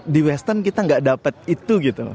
di western kita gak dapet itu gitu